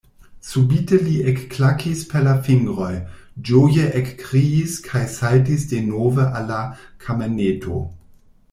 Subite li ekklakis per la fingroj, ĝoje ekkriis kaj saltis denove al la kameneto.